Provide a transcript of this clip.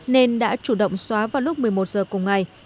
nên đã chủ động xóa vào lúc một mươi một giờ cùng ngày